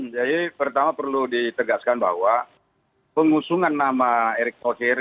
jadi pertama perlu ditegaskan bahwa pengusungan nama erick thohir